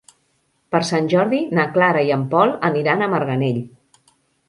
Per Sant Jordi na Clara i en Pol aniran a Marganell.